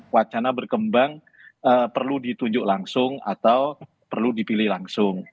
wacana berkembang perlu ditunjuk langsung atau perlu dipilih langsung